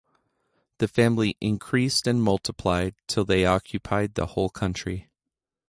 The family increased and multiplied till they occupied the whole country.